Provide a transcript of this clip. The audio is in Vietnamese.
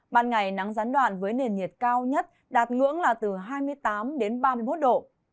ban ngày nắng gián đoạn với nền nhiệt cao nhất đạt ngưỡng là từ hai mươi tám đến ba mươi một độ